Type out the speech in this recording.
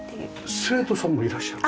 生徒さんもいらっしゃる？